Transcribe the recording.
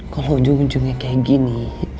kalau ujung ujungnya kayak gini